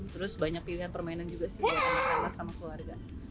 terus banyak pilihan permainan juga sih buat anak anak sama keluarga